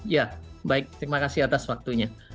ya baik terima kasih atas waktunya